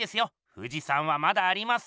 富士山はまだあります。